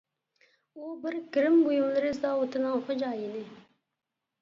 ئۇ بىر گىرىم بۇيۇملىرى زاۋۇتىنىڭ خوجايىنى.